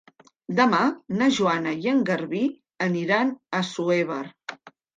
Demà na Joana i en Garbí aniran a Assuévar.